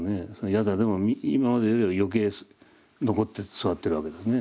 夜坐でも今までよりは余計残って座ってるわけですね